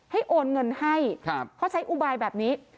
โอนเงินให้เขาใช้อุบายแบบนี้